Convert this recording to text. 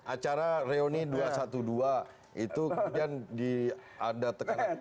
acara reuni dua ratus dua belas itu kemudian ada tekanan